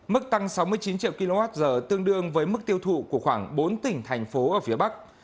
mức tăng sáu mươi chín triệu kwh tương đương với mức tiêu thụ của khoảng bốn tỉnh thành phố ở phía bắc